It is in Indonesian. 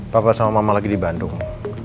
papa sama mama lagi di bandung